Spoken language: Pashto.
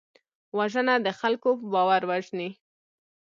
وژنه د خلکو باور وژني